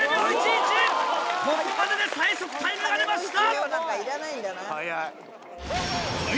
ここまでで最速タイムが出ました！